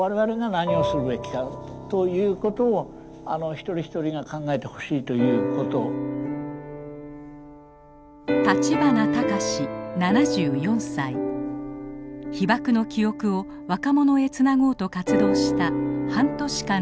被爆の記憶を若者へつなごうと活動した半年間の記録です。